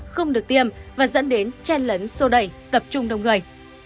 không được tiêm và dẫn đến chen lấn sô đẩy tập trung đông người